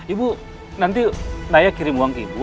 ibu nanti naya kirim uang ibu